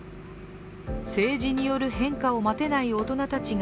政治による変化を待てない大人たちが